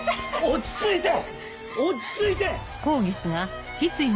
落ち着いて！